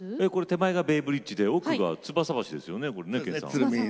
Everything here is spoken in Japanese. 手前がベイブリッジで奥がつばさ橋ですね。